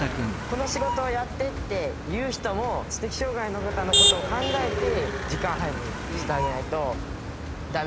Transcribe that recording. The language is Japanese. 「この仕事をやって」って言う人も知的障害の方のことを考えて時間配分してあげないとダメだなって。